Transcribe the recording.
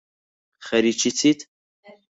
خەریکی چیت